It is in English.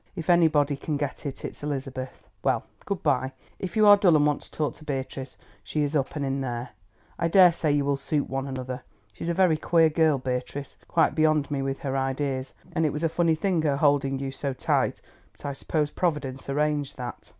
If anybody can get it it's Elizabeth. Well, good bye; if you are dull and want to talk to Beatrice, she is up and in there. I daresay you will suit one another. She's a very queer girl, Beatrice, quite beyond me with her ideas, and it was a funny thing her holding you so tight, but I suppose Providence arranged that.